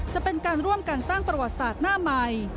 จะเป็นการร่วมกันตั้งประวัติศาสตร์หน้าใหม่